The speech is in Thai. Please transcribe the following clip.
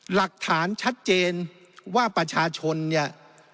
หลักฐานชัดเจนว่าประชาชนเนี่ย